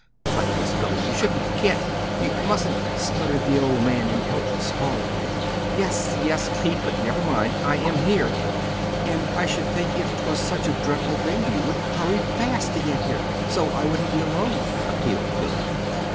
But, Miss Billy, you shouldn't you can't you mustn't " stuttered the old man in helpless horror. "Yes, yes, Pete, but never mind; I am here! And I should think if 'twas such a dreadful thing you would hurry FAST to get here, so I wouldn't be alone," appealed Billy.